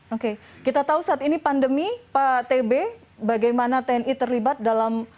oke kita tahu saat ini pandemi pak tb bagaimana tni terlibat dalam